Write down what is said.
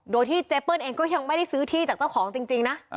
โดยที่เจเปิ้ลเองก็ยังไม่ได้ซื้อที่จากเจ้าของจริงนะ